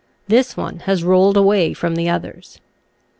This one has rolled away from the others.